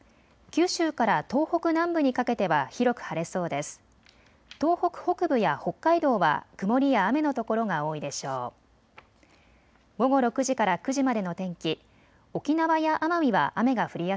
九州から東北南部にかけては広く晴れそうです。